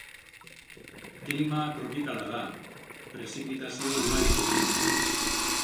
Klima tropikala da, prezipitazio ugariekin.